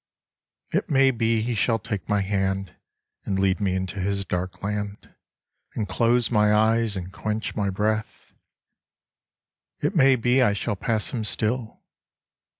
It may be he shall take my hand And lead me into his dark land And close my eyes and quench my breath It may be I shall pass him still.